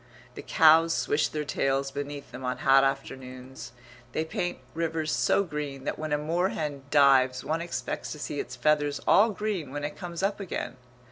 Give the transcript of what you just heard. The cows swish their tails beneath them on hot afternoons; they paint rivers so green that when a moorhen dives one expects to see its feathers all green when it comes up again.